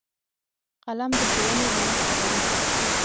قلم د ښوونې رڼا خپروي